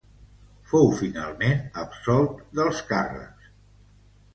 Fou finalment absolt dels càrrecs.